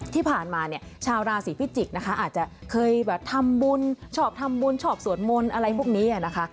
ที่ผ่านมาเนี่ยชาวราศีพิจิกษ์นะคะอาจจะเคยแบบทำบุญชอบทำบุญชอบสวดมนต์อะไรพวกนี้นะคะ